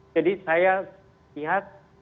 jadi saya lihat